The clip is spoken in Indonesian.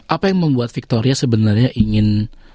apa yang membuat victoria sebenarnya ingin